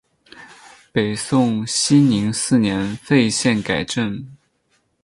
北宋熙宁四年废县改镇。